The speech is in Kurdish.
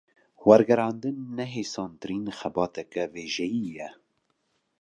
Wergerandin, ne hêsantirîn xebateke wêjeyî ye